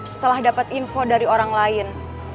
setelah dapat info dari orang lain